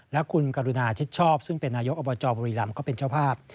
และคุณกรุณาชิดชอบซึ่งเป็นนายกอบจบุรีรำก็เป็นเจ้าภาพ